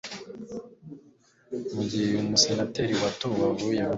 Mu gihe Umusenateri watowe avuyemo